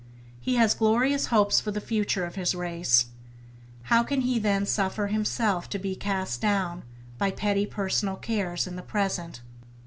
He has glorious hopes for the future of his race: how can he then suffer himself to be cast down by petty personal cares in the present